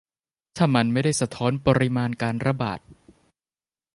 ถ้ามันไม่ได้สะท้อนปริมาณการระบาด